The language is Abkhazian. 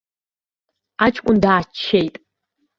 Аҷкәын дааччеит.